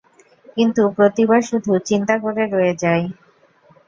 কিন্তু প্রতিবার শুধু, চিন্তা করে রয়ে যায়।